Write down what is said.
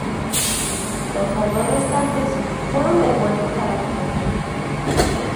Los fondos restantes fueron devueltos a la Fundación.